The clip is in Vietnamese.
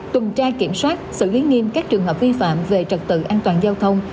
tuần tra kiểm soát xử lý nghiêm các trường hợp vi phạm về trật tự an toàn giao thông